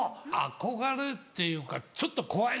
憧れっていうかちょっと怖い。